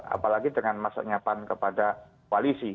apalagi dengan masa penyiapan kepada kualisi